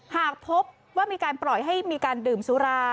หากพบว่ามีการปล่อยให้มีการดื่มสุรา